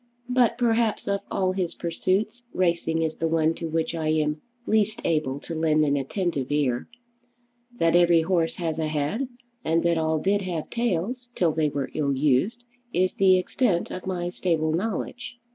But perhaps of all his pursuits racing is the one to which I am least able to lend an attentive ear. That every horse has a head, and that all did have tails till they were ill used, is the extent of my stable knowledge."